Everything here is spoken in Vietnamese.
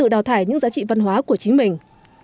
nguyên tắc thẩm mỹ và giá trị văn hóa của chính mình